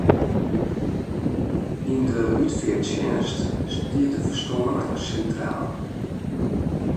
Yn de útfearttsjinst stiet de ferstoarne sintraal.